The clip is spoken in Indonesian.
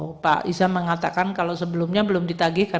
oh pak isa mengatakan kalau sebelumnya belum ditagih